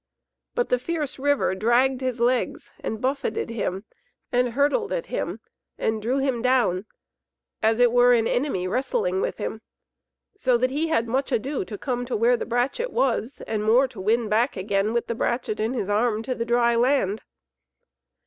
But the fierce river dragged his legs, and buffeted him, and hurtled at him, and drew him down, as it were an enemy wrestling with him, so that he had much ado to come where the brachet was, and more to win back again, with the brachet in his arm, to the dry land.